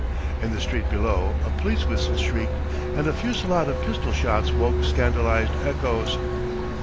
In the street below a police whistle shrieked, and a fusillade of pistol shots woke scandalised echoes.